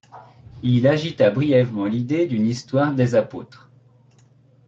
Il agita brièvement l'idée d'une histoire des Apôtres.